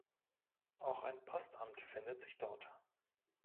Auch ein Postamt findet sich dort.